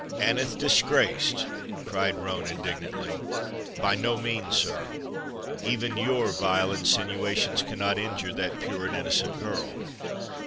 "Aneth disgraced!" cried Roane, indignantly; "by no means, sir! Even your vile insinuations cannot injure that pure and innocent girl.